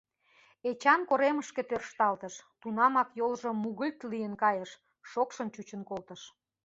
Эчан коремышке тӧршталтыш, тунамак йолжо мугыльт лийын кайыш, шокшын чучын колтыш.